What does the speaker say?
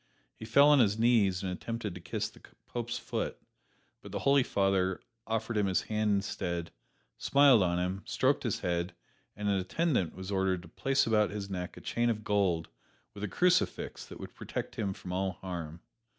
He fell on his knees and attempted to kiss the Pope's foot, but the Holy Father offered him his hand instead, smiled on him, stroked his head, and an attendant was ordered to place about his neck a chain of gold with a crucifix that would protect him from all harm.